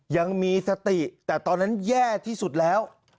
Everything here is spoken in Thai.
ยังมีสติแต่ตอนนั้นแย่ที่สุดแล้ว